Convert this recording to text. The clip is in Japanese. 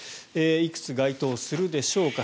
いくつ該当するでしょうか。